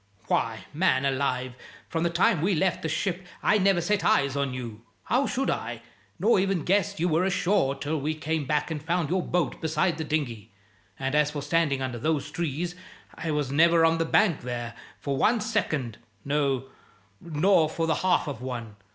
Why, man alive, from the time we left the ship I never set eyes on you (how should I?), nor ever guessed you were ashore till we came back and found your boat beside the dinghy. And as for standing under those trees, I was never on the bank there for one second no, nor for the half of one.